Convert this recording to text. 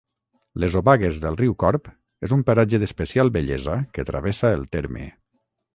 Les obagues del riu Corb és un paratge d'especial bellesa que travessa el terme.